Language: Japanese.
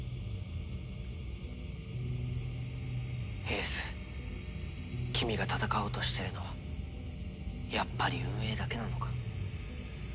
英寿君が戦おうとしてるのはやっぱり運営だけなのか。